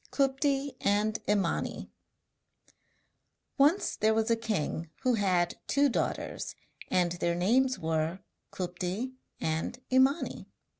KUPTI AND IMANI Once there was a king who had two daughters; and their names were Kupti and Imani.